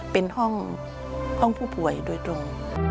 เป็นห้องผู้ป่วยโดยตรง